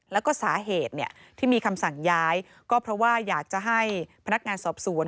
แล้วก็สาเหตุที่มีคำสั่งย้ายก็เพราะว่าอยากจะให้พนักงานสอบสวน